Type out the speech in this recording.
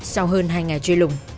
sau hơn hai ngày chơi lùng